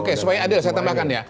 oke supaya adil saya tambahkan ya